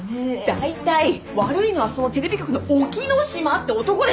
だいたい悪いのはそのテレビ局の沖野島って男でしょうが！